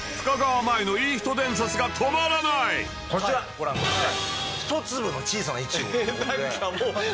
この後こちらご覧ください。